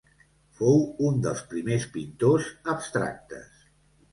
Fou un dels primers pintors abstractes.